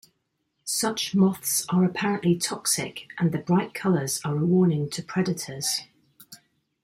Such moths are apparently toxic and the bright colors are a warning to predators.